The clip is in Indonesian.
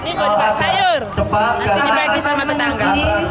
ini buat sayur nanti dibagi sama tetangga